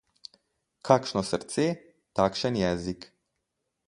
Kakršno srce, takšen jezik.